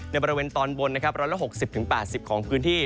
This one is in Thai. ในบริเวณตอนบนนะครับ๑๖๐๘๐ของพื้นที่